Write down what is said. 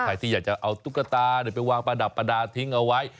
ใครที่อยากจะเอาตุ๊กตาไปวางประดับประดาษทิ้งเอาไว้